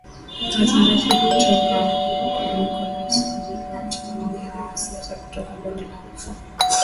hasa hasa kutoka kwa Nicholas Biwott pamoja na wanasiasa kutoka Bonde la Ufa